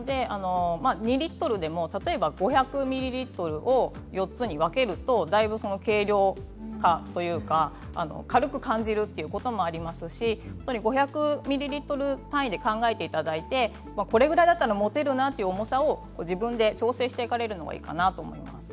２リットルでも例えば５００ミリリットルを４つに分けるとだいぶ軽量化というか軽く感じることもありますし５００ミリリットル単位で考えていただいて、これぐらいだったら持てるなという重さを自分で調整していかれるのがいいかなと思います。